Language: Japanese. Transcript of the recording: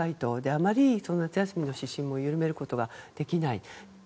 あまり夏休みで緩めることができない。